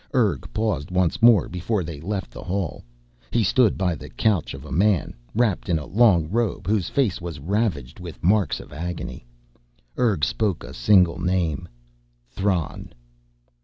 Urg paused once more before they left the hall. He stood by the couch of a man, wrapped in a long robe, whose face was ravaged with marks of agony. Urg spoke a single name: "Thran."